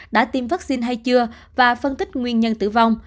đã tiêm vaccine hay chưa và phân tích nguyên nhân tử vong